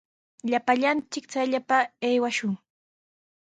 Llapallanchik hallpapa aywashun.